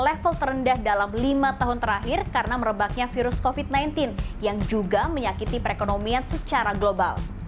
level terendah dalam lima tahun terakhir karena merebaknya virus covid sembilan belas yang juga menyakiti perekonomian secara global